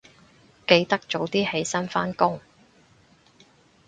記得早啲起身返工